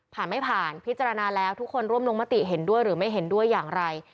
ผ่านไม่ผ่านพิจารณาแล้วทุกคนร่วมลงมติเห็นด้วยหรือไม่เห็นด้วยอย่างไร